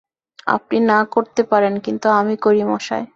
আপনি না করতে পারেন, কিন্তু আমি করি মশায়।